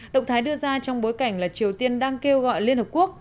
động thái đưa ra trong bối cảnh là triều tiên đang kêu gọi liên hợp quốc